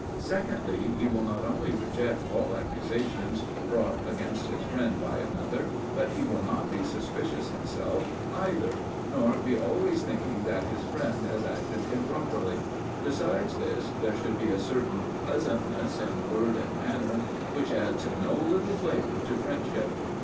Secondly, he will not only reject all accusations brought against his friend by another, but he will not be suspicious himself either, nor be always thinking that his friend has acted improperly. Besides this, there should be a certain pleasantness in word and manner which adds no little flavour to friendship.